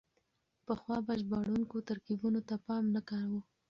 پخوا به ژباړونکو ترکيبونو ته پام نه کاوه.